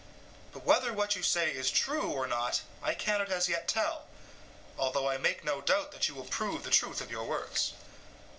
But whether what you say is true or not I cannot as yet tell, although I make no doubt that you will prove the truth of your words.